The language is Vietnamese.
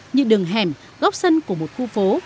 như đường hẻm góc sân của một khu phố